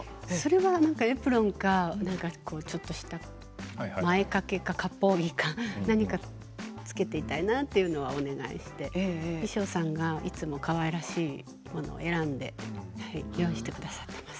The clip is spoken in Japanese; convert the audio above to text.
エプロンかなんかちょっとした前掛けか、かっぽう着か何か着けていたいなとお願いして衣装さんがいつもかわいらしいものを選んで用意してくださっています。